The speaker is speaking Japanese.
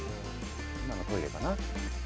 今のトイレかな。